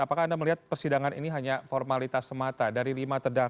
apakah anda melihat persidangan ini hanya formalitas semata dari lima terdakwa